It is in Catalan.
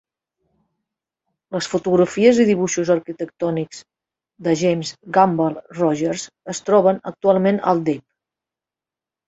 Les fotografies i dibuixos arquitectònics de James Gamble Rogers es troben actualment al Dep.